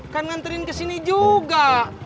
kan nganterin kesini juga